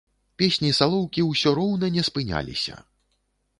Песні салоўкі ўсё роўна не спыняліся.